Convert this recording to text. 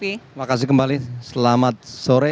terima kasih kembali selamat sore